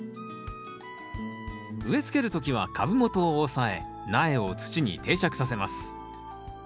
植え付ける時は株元を押さえ苗を土に定着させます。